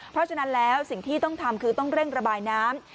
เพราะฉะนั้นแล้วสิ่งที่ต้องทำคือต้องเร่งระบายน้ำ